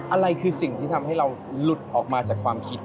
อะไรคือสิ่งที่ทำให้เราหลุดออกมาจากความคิด